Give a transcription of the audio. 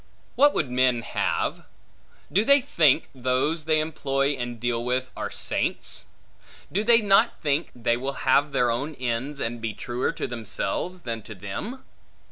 What would men have? Do they think, those they employ and deal with, are saints? Do they not think, they will have their own ends, and be truer to themselves, than to them?